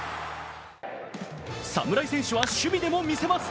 侍戦士は守備でも見せます。